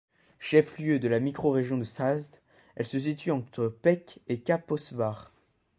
Chef-lieu de la micro-région de Sásd, elle se situe entre Pécs et Kaposvár.